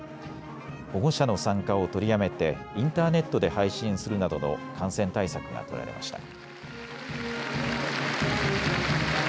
保護者の参加を取りやめてインターネットで配信するなどの感染対策が取られました。